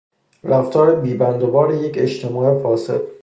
رفتار بیبندوبار یک اجتماع فاسد